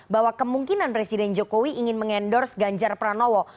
bahwa kemungkinan presiden jokowi ingin mengendorse ganjar pranowo